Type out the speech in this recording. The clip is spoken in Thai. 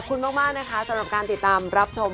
ใส่แว่นอาจจะไม่เห็นลูกกระตาแก่